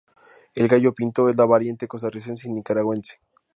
El gallo pinto es la variante costarricense y nicaragüense.